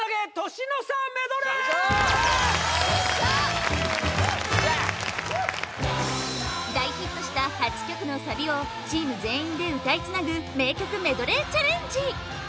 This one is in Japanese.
年の差メドレー・よっしゃ大ヒットした８曲のサビをチーム全員で歌いつなぐ名曲メドレーチャレンジ